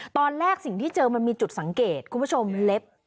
ตอนที่เจอมันมีจุดสังเกตคุณผู้ชมเล็บ